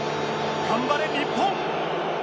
頑張れ日本！